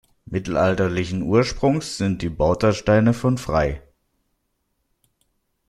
Mittelalterlichen Ursprungs sind die Bautasteine von Frei.